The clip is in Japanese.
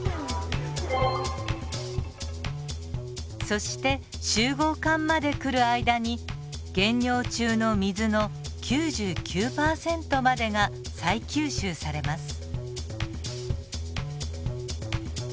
そして集合管まで来る間に原尿中の水の９９％までが再吸収されます。